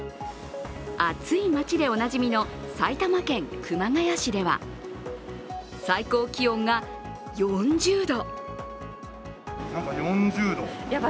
暑い町でおなじみの埼玉県熊谷市では最高気温が４０度。